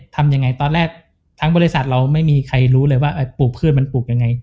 ทำยังไงตอนแรกทั้งบริษัทเราไม่มีใครรู้เลยว่าปลูกพืชมันปลูกยังไง